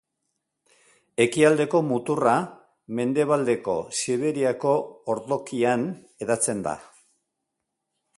Ekialdeko muturra Mendebaldeko Siberiako ordokian hedatzen da.